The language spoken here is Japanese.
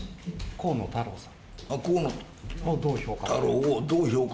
河野太郎さん。